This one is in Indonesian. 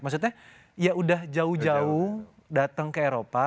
maksudnya ya udah jauh jauh datang ke eropa